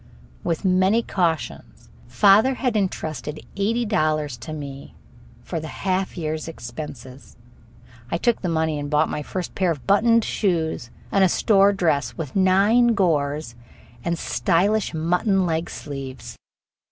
With many cautions, father had intrusted eighty dollars to me for the half year's expenses. I took the money and bought my first pair of buttoned shoes and a store dress with nine gores and stylish mutton leg sleeves!